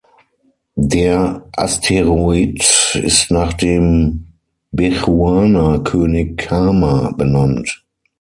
Der Asteroid ist nach dem Bechuana-König Khama benannt.